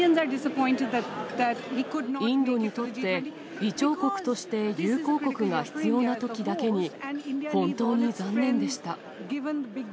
インドにとって、議長国として友好国が必要なときだけに、本当に残念でした。